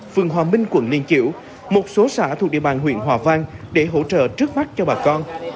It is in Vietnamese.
phường hòa minh quận liên kiểu một số xã thuộc địa bàn huyện hòa vang để hỗ trợ trước mắt cho bà con